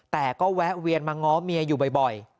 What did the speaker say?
แต่ก็แวะเวียนมาง้อเมียอยู่บ่อย